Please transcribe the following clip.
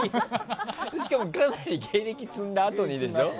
しかもかなり芸歴積んだあとにでしょ？